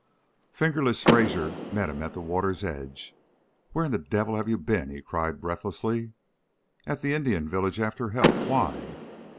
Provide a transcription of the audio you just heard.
"Fingerless" Fraser met him at the water's edge. "Where in the devil have you been?" he cried, breathlessly. "At the Indian village after help. Why?"